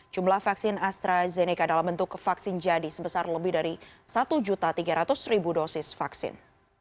jumlah vaksin astrazeneca dalam bentuk vaksin jadi sebesar lebih dari satu tiga ratus dosis vaksin